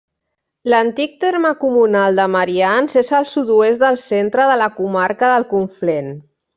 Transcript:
L'antic terme comunal de Marians és al sud-oest del centre de la comarca del Conflent.